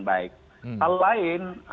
baik hal lain